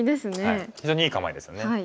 非常にいい構えですよね。